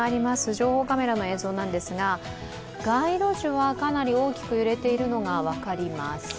情報カメラの映像なんですが街路樹はかなり大きく揺れているのが分かります。